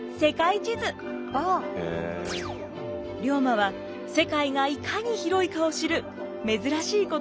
龍馬は世界がいかに広いかを知る珍しい子どもでした。